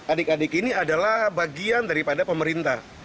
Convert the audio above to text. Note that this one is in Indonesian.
adik adik ini adalah bagian daripada pemerintah